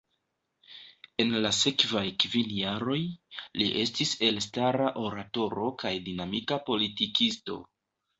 En la sekvaj kvin jaroj, li estis elstara oratoro kaj dinamika politikisto.